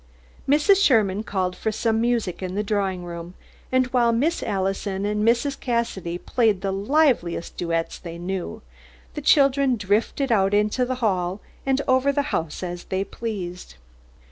Mrs. Sherman called for some music in the drawing room, and while Miss Allison and Mrs. Cassidy played the liveliest duets they knew, the children drifted out into the hall and over the house as they pleased.